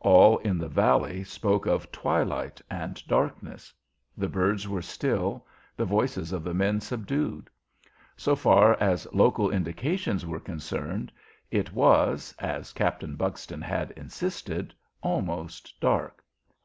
All in the valley spoke of twilight and darkness: the birds were still, the voices of the men subdued. So far as local indications were concerned, it was as Captain Buxton had insisted almost dark.